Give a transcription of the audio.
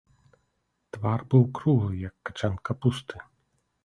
Твар быў круглы, як качан капусты.